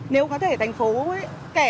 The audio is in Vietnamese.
nếu có thể thành phố ấy kẻ bán